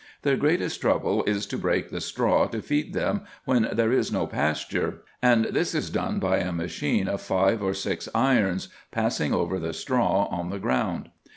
Their greatest trouble is to break the straw to feed them when there is no pasture, and this is done by a machine of five or six irons, passing over the straw on the ground.